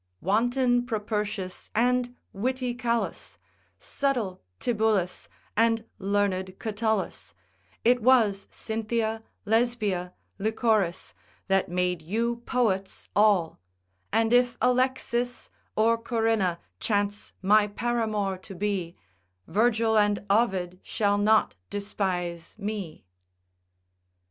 Wanton Propertius and witty Callus, Subtile Tibullus, and learned Catullus, It was Cynthia, Lesbia, Lychoris, That made you poets all; and if Alexis, Or Corinna chance my paramour to be, Virgil and Ovid shall not despise me.